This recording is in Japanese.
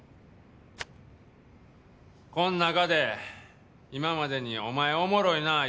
こん中で今までに「お前おもろいなあ」